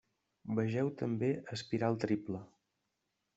Vegeu també espiral triple.